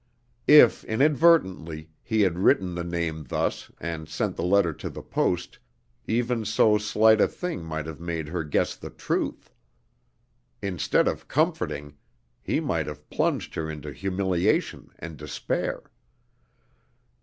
If, inadvertently, he had written the name thus, and sent the letter to the post, even so slight a thing might have made her guess the truth. Instead of comforting, he might have plunged her into humiliation and despair.